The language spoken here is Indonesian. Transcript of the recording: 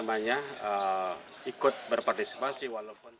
saya berpartisipasi walaupun